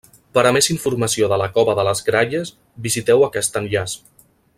Per a més informació de la cova de les gralles visiteu aquest enllaç.